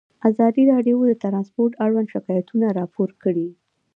ازادي راډیو د ترانسپورټ اړوند شکایتونه راپور کړي.